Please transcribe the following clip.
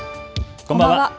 こんばんは。